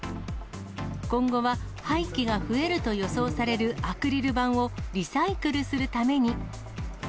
今後は廃棄が増えると予想されるアクリル板をリサイクルするために。